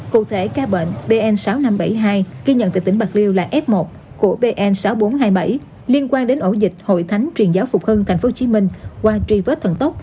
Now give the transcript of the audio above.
cụ thể ca bệnh bn sáu nghìn năm trăm bảy mươi hai ghi nhận tại tỉnh bạc liêu là f một của bn sáu nghìn bốn trăm hai mươi bảy liên quan đến ổ dịch hội thánh truyền giáo phục hưng tp hcm qua truy vết thần tốc